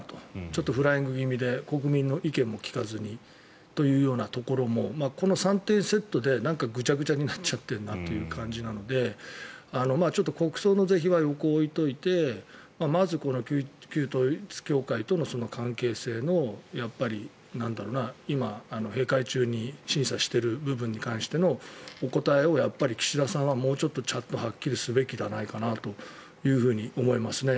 ちょっとフライング気味で国民の意見も聞かずにというところもこの３点セットでグチャグチャになってるなという感じなので国葬の是非は横に置いておいてまず旧統一教会とのその関係性の今、閉会中に審査している部分に関してのお答えを岸田さんはもうちょっとちゃんとはっきりすべきではないかなと思いますね。